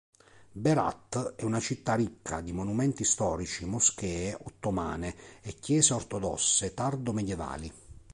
Berat è una città ricca di monumenti storici, moschee ottomane e chiese ortodosse tardo-medievali.